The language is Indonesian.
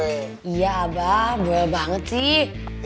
iya abah boleh banget sih